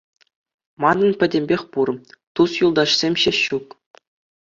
Манӑн пӗтӗмпех пур, тус-юлташсем ҫеҫ ҫук.